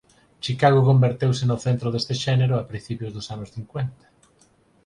Chicago converteuse no centro deste xénero a principios dos anos cincuenta.